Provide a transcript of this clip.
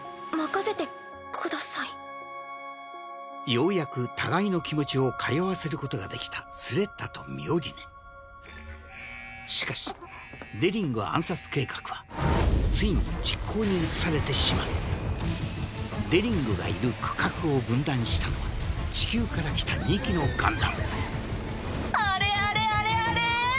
ようやく互いの気持ちを通わせることができたスレッタとミオリネしかしデリング暗殺計画はついに実行に移されてしまうデリングがいる区画を分断したのは地球から来た２機のガンダムあれあれあれあれ？